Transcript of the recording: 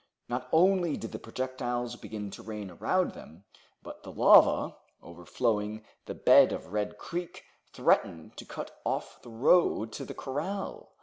Not only did the projectiles begin to rain around them, but the lava, overflowing the bed of Red Creek, threatened to cut off the road to the corral.